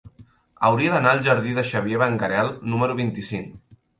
Hauria d'anar al jardí de Xavier Benguerel número vint-i-cinc.